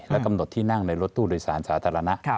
และกำหนดที่นั่งในรถตู้โดยสารสาธารณะ